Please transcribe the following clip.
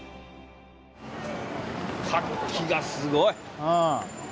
活気がすごい。